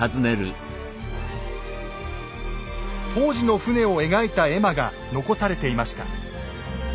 当時の船を描いた絵馬が残されていました。